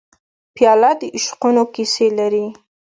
پیاله د عشقونو کیسې لري.